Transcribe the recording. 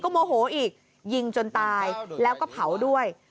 โมโหอีกยิงจนตายแล้วก็เผาด้วย